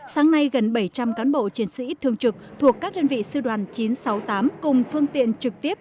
sáng nay gần bảy trăm linh cán bộ chiến sĩ thương trực thuộc các đơn vị sư đoàn chín trăm sáu mươi tám cùng phương tiện trực tiếp